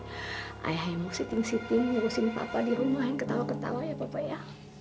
saya harus siting siting urusin papa di rumah dan ketawa ketawa ya papa ya